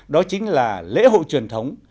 đó chính là lễ hội truyền thống